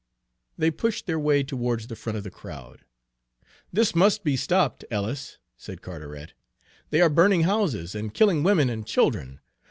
They pushed their way towards the front of the crowd. "This must be stopped, Ellis," said Carteret. "They are burning houses and killing women and children.